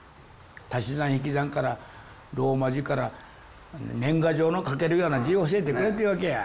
足し算・引き算からローマ字から年賀状の書けるような字を教えてくれって言うわけや。